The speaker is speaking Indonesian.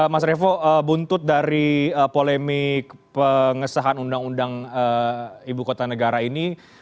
mas revo buntut dari polemik pengesahan undang undang ibu kota negara ini